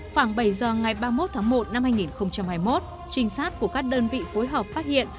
khoảng bảy giờ ngày ba mươi một tháng một năm hai nghìn hai mươi một trinh sát của các đơn vị phối hợp phát hiện